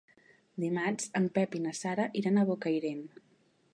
Dimarts en Pep i na Sara iran a Bocairent.